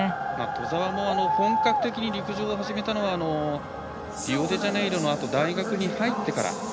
兎澤も本格的に陸上を始めたのはリオデジャネイロのあと大学に入ってから。